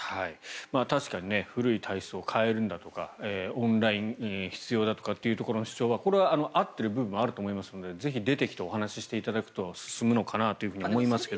確かに古い体質を変えるんだとかオンラインが必要だという主張は合っている部分はあると思いますのでぜひ出てきてお話ししていただくと進むのかなと思いますけど。